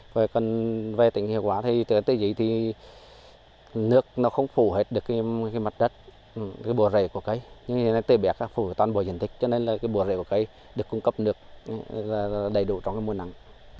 phù thuộc vào toàn bộ diện tích cho nên là bùa rễ của cây được cung cấp được đầy đủ trong mùa nắng